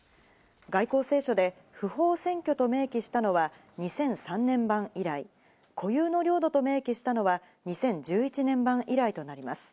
外交青書で不法占拠と明記したのは２００３年版以来、固有の領土と明記したのは２０１１年版以来となります。